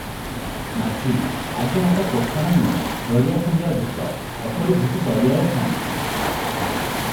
ମାଝି- ଆଜ୍ଞା, ଏଟା ତୋଫାନ ନୁହେଁ, ଦରିଆ ଖଣ୍ଡିଆ ଭୂତ, ଏପରି ଭୂତ ଦରିଆରେ ଥାନ୍ତି ।